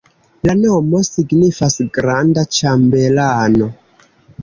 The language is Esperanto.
La nomo signifas granda-ĉambelano.